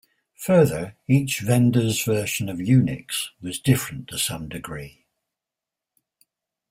Further, each vendor's version of Unix was different to some degree.